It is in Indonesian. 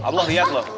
allah lihat loh